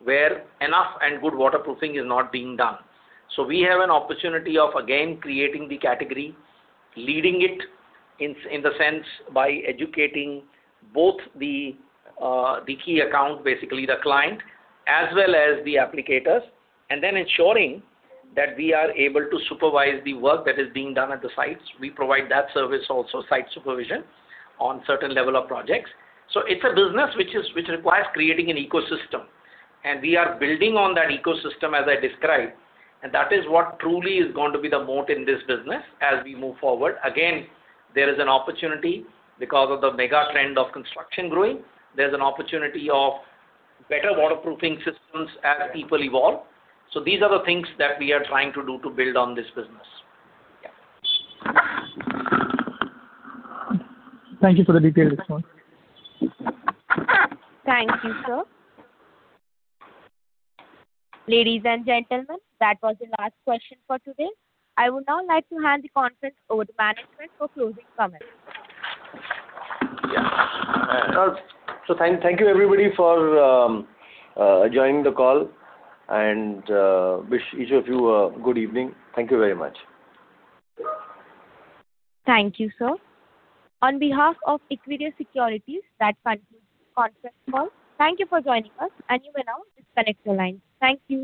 where enough and good waterproofing is not being done. We have an opportunity of, again, creating the category, leading it in the sense by educating both the key account, basically the client, as well as the applicators, and then ensuring that we are able to supervise the work that is being done at the sites. We provide that service also, site supervision, on certain level of projects. It's a business which requires creating an ecosystem. We are building on that ecosystem as I described, and that is what truly is going to be the moat in this business as we move forward. Again, there is an opportunity because of the mega trend of construction growing. There's an opportunity of better waterproofing systems as people evolve. These are the things that we are trying to do to build on this business. Thank you for the detailed response. Thank you, sir. Ladies and gentlemen, that was the last question for today. I would now like to hand the conference over to management for closing comments. Thank you, everybody, for joining the call, and wish each of you a good evening. Thank you very much. Thank you, sir. On behalf of Equirus Securities that sponsored this conference call, thank you for joining us, and you may now disconnect your lines. Thank you.